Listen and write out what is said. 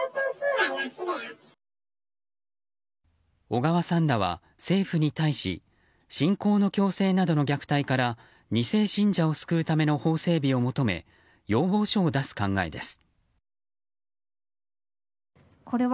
小川さんらは政府に対し信仰の強制などの虐待から２世信者を救うための法整備を求め要望書を出す考えです。